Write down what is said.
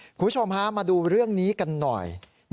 คุณผู้ชมฮะมาดูเรื่องนี้กันหน่อย